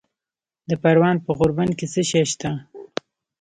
د پروان په غوربند کې څه شی شته؟